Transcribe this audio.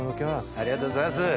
ありがとうございます。